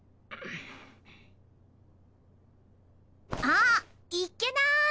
あっいっけなーい！